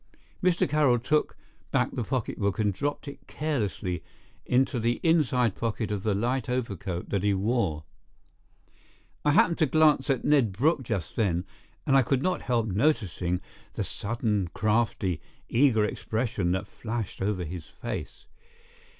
Mr. Carroll took back the pocketbook and dropped it carelessly into the inside pocket of the light overcoat that he wore. I happened to glance at Ned Brooke just then, and I could not help noticing the sudden crafty, eager expression that flashed over his face.